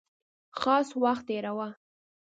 خاص وخت تېراوه.